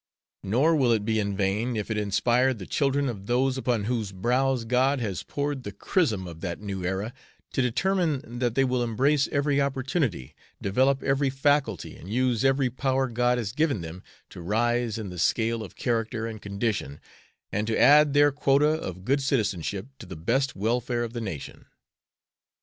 Nor will it be in vain if it inspire the children of those upon whose brows God has poured the chrism of that new era to determine that they will embrace every opportunity, develop every faculty, and use every power God has given them to rise in the scale of character and condition, and to add their quota of good citizenship to the best welfare of the nation.